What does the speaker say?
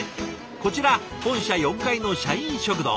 こちら本社４階の社員食堂。